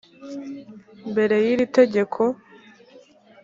mbere y iri tegeko